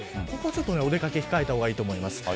ここは、お出掛けを控えた方がいいと思います。